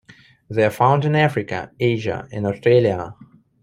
They are found in Africa, Asia and Australia.